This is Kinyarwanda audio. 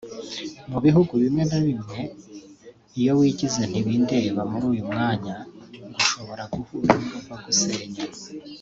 Mu byumba bimwe na bimwe iyo wigize ntibindeba muri uyu mwanya ngo ushobora guhura n’uruva gusenya